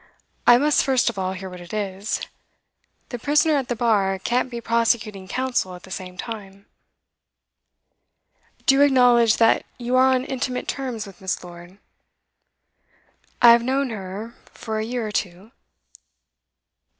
'I must first of all hear what it is. The prisoner at the bar can't be prosecuting counsel at the same time.' 'Do you acknowledge that you are on intimate terms with Miss. Lord?' 'I have known her for a year or two.